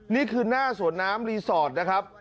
นี่คือหน้าสวนน้ำรีสอร์ทนะครับ